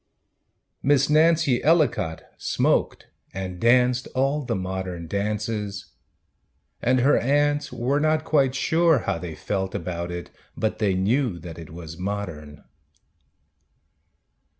Miss Nancy Ellicott smoked And danced all the modern dances; And her aunts were not quite sure how they felt about it, But they knew that it was modern.